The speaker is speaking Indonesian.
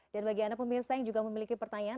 dan bagi anda pemirsa yang juga memiliki pertanyaan